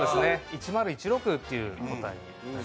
１０１６というものになります。